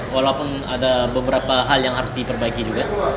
walaupun ada beberapa hal yang harus diperbaiki juga